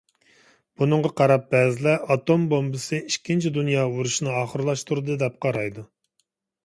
بۇنىڭغا قاراپ بەزىلەر «ئاتوم بومبىسى ئىككىنچى دۇنيا ئۇرۇشىنى ئاخىرلاشتۇردى» دەپ قارايدۇ.